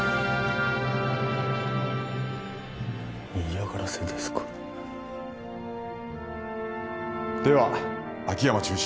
嫌がらせですかでは秋山厨司